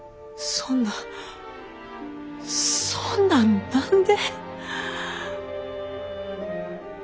そんなんそんなん何で！？